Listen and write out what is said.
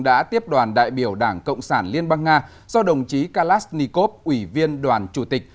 đã tiếp đoàn đại biểu đảng cộng sản liên bang nga do đồng chí kalashnikov ủy viên đoàn chủ tịch